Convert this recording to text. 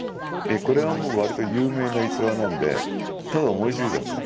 わりと有名な逸話なんでただ思いついたんだよ